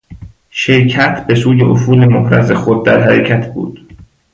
شرکت به سوی افول محرز خود در حرکت بود.